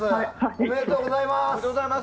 おめでとうございます。